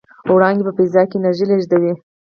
وړانګې په فضا کې انرژي لېږدوي.